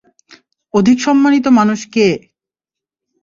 অধিক সম্মানিত মানুষ কে?